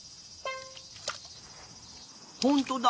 ほんとだ！